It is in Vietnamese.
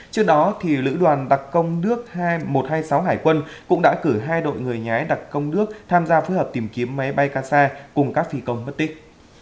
trước đó lữ đoàn đặc công nước một trăm hai mươi sáu hải quân cũng đã cử hai đội người nhái đặc công nước tham gia phối hợp tìm kiếm máy bay kasa cùng các phi công mất tích